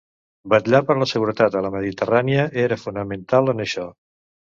Vetllar per la seguretat a la Mediterrània era fonamental en això.